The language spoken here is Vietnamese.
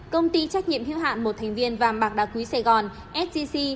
công ty trách nhiệm hiếu hạn một thành viên vàng bạc đa quý sài gòn sgc